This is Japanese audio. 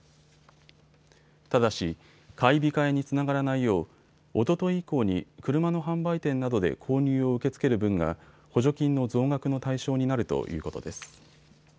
ただし買い控えにつながらないようおととい以降に車の販売店などで購入を受け付ける分が、補助金の増額の対象になるということです。